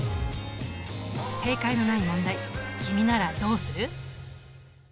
正解のない問題君ならどうする？